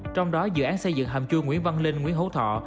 trong đó dự án xây dựng hầm chua nguyễn văn linh nguyễn hữu thọ